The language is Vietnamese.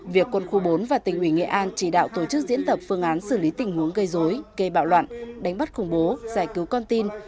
việc quân khu bốn và tỉnh ủy nghệ an chỉ đạo tổ chức diễn tập phương án xử lý tình huống gây dối gây bạo loạn đánh bắt khủng bố giải cứu con tin